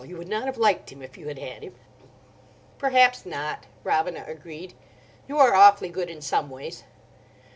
You would not have liked him, if you had had him." "Perhaps not," Robina agreed. "You are awfully good in some ways."